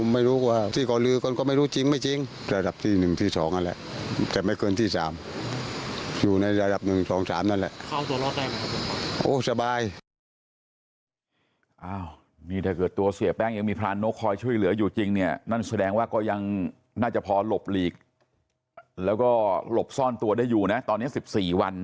มันกินพื้นที่หลายจังหวัดนะ